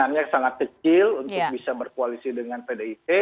perannya sangat kecil untuk bisa berkoalisi dengan pdip